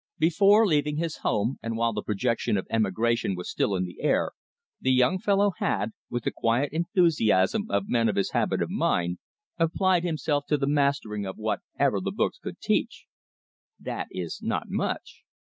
Before leaving his home, and while the project of emigration was still in the air, the young fellow had, with the quiet enthusiasm of men of his habit of mind, applied himself to the mastering of whatever the books could teach. That is not much.